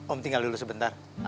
om tinggal dulu sebentar